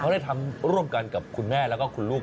ได้ทำร่วมกันกับคุณแม่แล้วก็คุณลูก